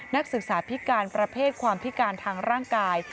นักศึกษาพิการประเภทความพิการทางร่างกาย